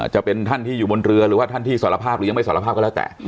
จะเป็นท่านที่อยู่บนเรือหรือว่าท่านที่สารภาพหรือยังไม่สารภาพก็แล้วแต่